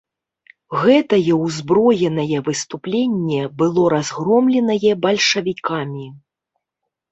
Гэтае ўзброенае выступленне было разгромленае бальшавікамі.